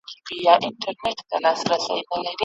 راته مه وایه چي اوس به له ګلونو سره راسي